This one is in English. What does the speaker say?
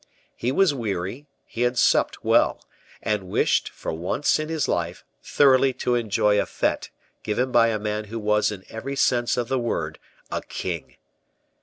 He was weary, he had supped well, and wished, for once in his life, thoroughly to enjoy a fete given by a man who was in every sense of the word a king.